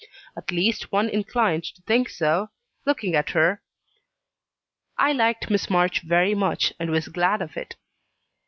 At least, one inclined to think so, looking at her. I liked Miss March very much, and was glad of it.